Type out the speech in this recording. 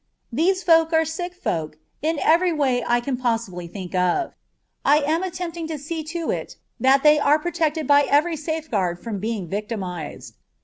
These folk are sick folk in every way I can possibly think of. I am attempting to see to it that they are protected by every safeguard from being victimized.